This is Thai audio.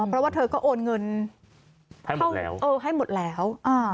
เพราะว่าเธอก็โอนเงินให้หมดแล้ว